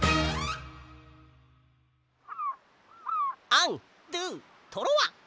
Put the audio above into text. アンドゥトロワ！